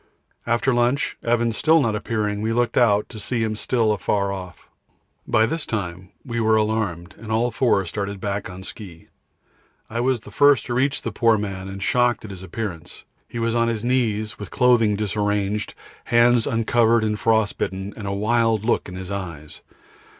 After lunch, and Evans still not appearing, we looked out, to see him still afar off. By this time we were alarmed, and all four started back on ski. I was first to reach the poor man and shocked at his appearance; he was on his knees with clothing disarranged, hands uncovered and frostbitten, and a wild look in his eyes.